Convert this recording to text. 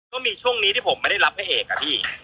ก็มีช่วงนี้ที่ผมไม่ได้รับพระเอกอะพี่